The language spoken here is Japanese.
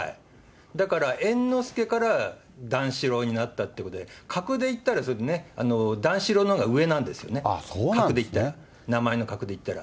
だから、猿之助から段四郎になったということで、かくでいったら、段四郎のほうが上なんですよね、格でいったら、名前の格でいったら。